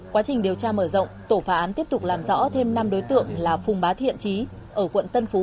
quá trình điều tra mở rộng tổ phá án tiếp tục làm rõ thêm năm đối tượng là phùng bá thiện trí ở quận tân phú